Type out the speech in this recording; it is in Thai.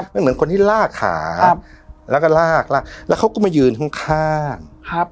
มันเหมือนคนที่ลากขาแล้วก็ลากลากแล้วเขาก็มายืนข้าง